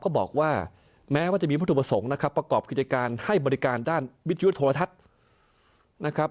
ก็บอกว่าแม้ว่าจะมีวัตถุประสงค์นะครับประกอบกิจการให้บริการด้านวิทยุโทรทัศน์นะครับ